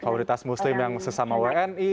komunitas muslim yang sesama wni